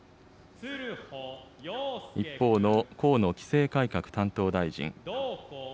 一方の河野規制改革担当大臣。